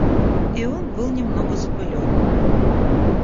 И он был немного запылен.